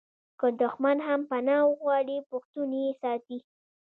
که دښمن هم پنا وغواړي پښتون یې ساتي.